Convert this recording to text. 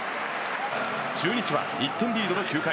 中日は１点リードの９回。